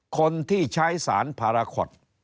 คนที่ใช้สารพาราคอต